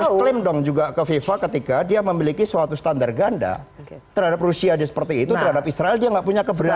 kita klaim dong juga ke fifa ketika dia memiliki suatu standar ganda terhadap rusia seperti itu terhadap israel dia nggak punya keberatan